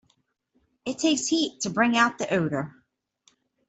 It takes heat to bring out the odor.